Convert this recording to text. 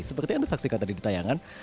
seperti yang anda saksikan tadi di tayangan